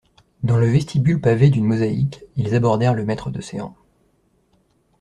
Dans le vestibule pavé d'une mosaïque, ils abordèrent le maître de céans.